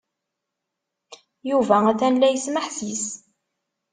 Yuba atan la yesmeḥsis.